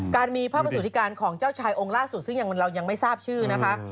การมีภาพประสุทธิการของเจ้าชายองค์ล่าสุดซึ่งเรายังไม่ทราบชื่อนะคะ